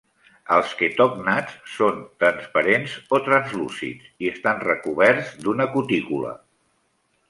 Els quetògnats són transparents o translúcids i estan recoberts d'una cutícula.